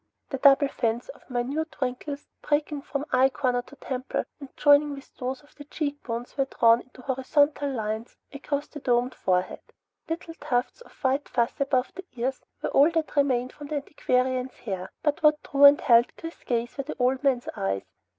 The double fans of minute wrinkles breaking from eye corner to temple and joining with those over the cheekbones were drawn into the horizontal lines across the domed forehead. Little tufts of white fuzz above the ears were all that remained of the antiquarian's hair, but what drew and held Chris's gaze were the old man's eyes.